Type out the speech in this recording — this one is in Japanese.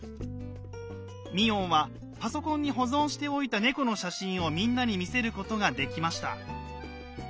ミオンはパソコンに保存しておいた猫の写真をみんなに見せることができました。